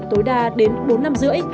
tối đa đến bốn năm rưỡi